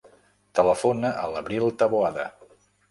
Telefona a l'Abril Taboada.